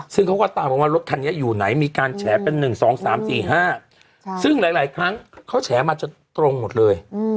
ซึ่งเขาก็ตามมาว่ารถคันนี้อยู่ไหนมีการแฉเป็น๑๒๓๔๕ซึ่งหลายครั้งเขาแฉมาจนตรงหมดเลย